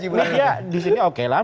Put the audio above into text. media disini oke lah